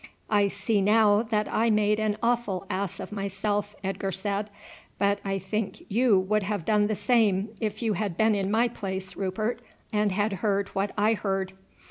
"I see now that I made an awful ass of myself," Edgar said; "but I think you would have done the same if you had been in my place, Rupert, and had heard what I heard."